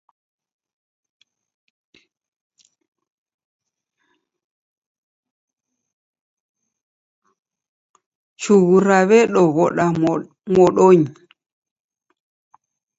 Chughu raw'edoghoda modonyi.